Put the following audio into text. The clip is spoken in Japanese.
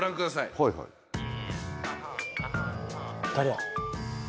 はいはい誰や？